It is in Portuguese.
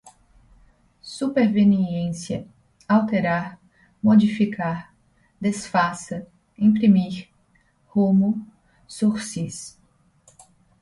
superveniência, alterar, modificar, desfaça, imprimir, rumo, sursis